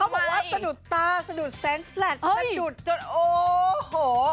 บอกว่าสะดุดตาสะดุดแซงแฟลตสะดุดจนโอ้โห